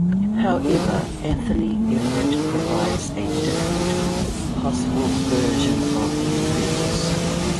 However Anthony Everitt provides a different possible version of events.